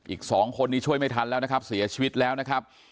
อีกสองคนนี้ช่วยไม่ทันแล้วนะครับเสียชีวิตแล้วนะครับ